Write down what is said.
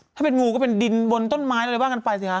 ถ้าเป็นงูก็เป็นดินบนต้นไม้อะไรว่ากันไปสิฮะ